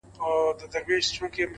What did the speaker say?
پر بای مي لود خپل سر دین و ایمان مبارک